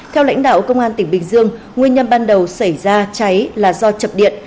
theo lãnh đạo công an tỉnh bình dương nguyên nhân ban đầu xảy ra cháy là do chập điện